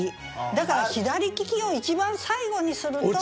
だから「左利き」を一番最後にすると。